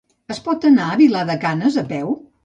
Es pot anar a Vilar de Canes a peu?